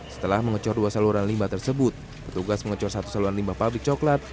setelah mengecor dua saluran limbah tersebut petugas mengecor satu saluran limbah pabrik coklat